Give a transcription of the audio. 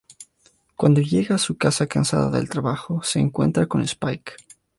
Cuando llega a su casa cansada del trabajo, se encuentra con Spike.